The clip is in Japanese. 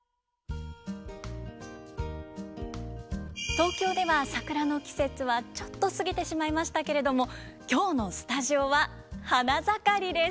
東京では桜の季節はちょっと過ぎてしまいましたけれども今日のスタジオは花盛りです。